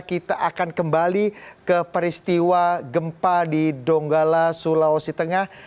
kita akan kembali ke peristiwa gempa di donggala sulawesi tengah